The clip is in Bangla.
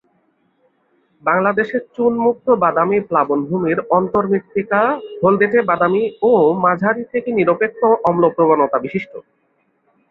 বাংলাদেশে চুনমুক্ত বাদামি প্লাবনভূমির অন্তর্মৃত্তিকা হলদেটে-বাদামি ও মাঝারি থেকে নিরপেক্ষ অম্ল প্রবণতা-বিশিষ্ট।